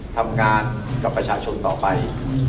ทำงานกับประชาชนต่อไป